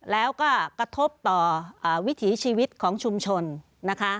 แล้วก็กระทบต่อวิถีชีวิตของชุมชนนะคะ